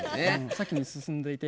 先に進んどいて。